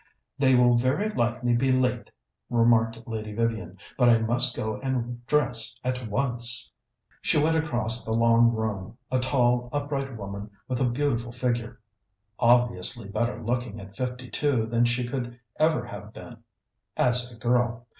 "They will very likely be late," remarked Lady Vivian, "but I must go and dress at once." She went across the long room, a tall, upright woman with a beautiful figure, obviously better looking at fifty two than she could ever have been as a girl.